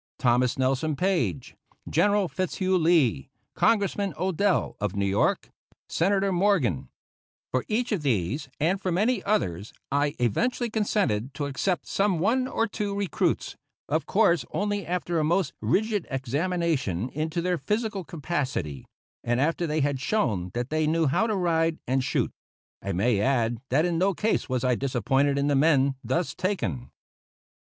Thomas Nelson Page, General Fitzhugh Lee, Congressman Odell, of New York, Senator Morgan; for each of these, and for many others, I eventually consented to accept some one or two recruits, of course only after a most rigid examination into their physical capacity, and after they had shown that they knew how to ride and shoot. I may add that in no case was I disappointed in the men thus taken.